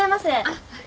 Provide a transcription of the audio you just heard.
あっ。